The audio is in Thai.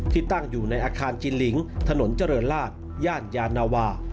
ตั้งอยู่ในอาคารจินลิงถนนเจริญราชย่านยานาวา